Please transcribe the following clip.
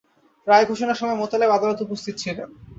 রায় ঘোষণার সময় মোতালেব আদালতে উপস্থিত ছিলেন।